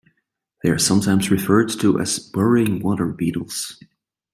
They are sometimes referred to as "burrowing water beetles".